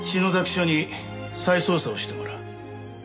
署に再捜査をしてもらう。